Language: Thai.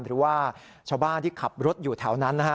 หรือว่าชาวบ้านที่ขับรถอยู่แถวนั้นนะฮะ